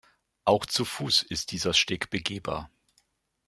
Auch zu Fuß ist dieser Steg begehbar.